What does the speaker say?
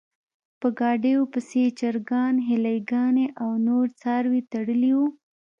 په ګاډیو پسې یې چرګان، هیلۍ ګانې او نور څاروي تړلي و.